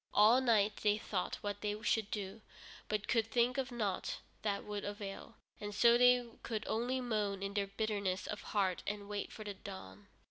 All night they thought what they should do, but could think of nought that would avail, and so they could only moan in their bitterness of heart and wait for the dawn.